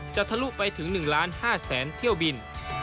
จะทะลุไปถึง๑ล้าน๕แสนเที่ยวบิน